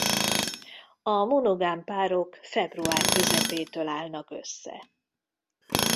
A monogám párok február közepétől állnak össze.